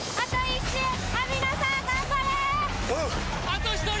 あと１人！